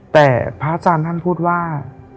แต่พระอาจารย์ท่านพูดว่า